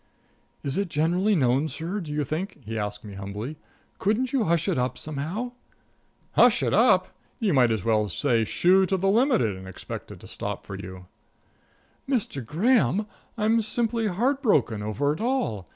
"Is it generally known, sir, do you think?" he asked me humbly. "Can't you hush it up somehow?" "Hush it up! You might as well say 'Shoo!' to the Limited and expect it to stop for you." "Mr. Graham, I'm simply heartbroken over it all.